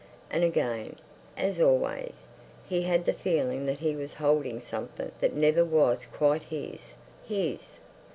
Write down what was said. And again, as always, he had the feeling that he was holding something that never was quite his—his.